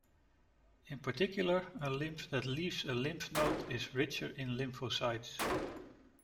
In particular, the lymph that leaves a lymph node is richer in lymphocytes.